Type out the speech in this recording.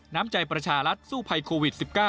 น้ำใจประชารัฐสู้ภัยโควิด๑๙